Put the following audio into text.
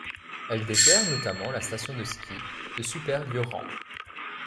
Elle dessert notamment la station de ski de Super Lioran.